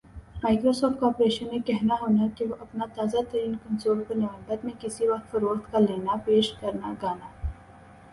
Microsoft corporation نے کہنا ہونا کہ وُہ اپنا تازہ ترین کنسول کو نومبر میں کِسی وقت فروخت کا لینا پیش کرنا گانا